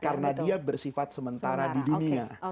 karena dia bersifat sementara di dunia